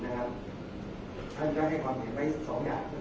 แต่ว่าไม่มีปรากฏว่าถ้าเกิดคนให้ยาที่๓๑